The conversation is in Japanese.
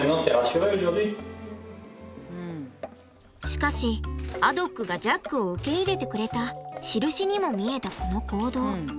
しかしアドックがジャックを受け入れてくれたしるしにも見えたこの行動。